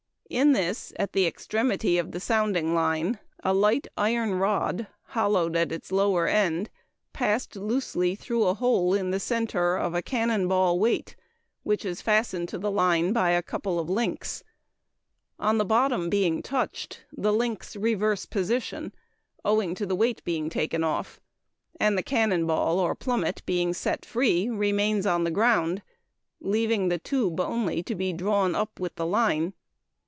In this, at the extremity of the sounding line a light iron rod, C, hollowed at its lower end, passed loosely through a hole in the center of a cannon ball weight, A, which is fastened to the line by a couple of links. On the bottom being touched, the links reverse position, owing to the weight being taken off, and the cannon ball, or plummet, B, being set free, remains on the ground, leaving the light tube only to be drawn up with the line.